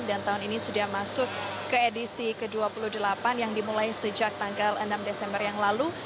dan tahun ini sudah masuk ke edisi ke dua puluh delapan yang dimulai sejak tanggal enam desember yang lalu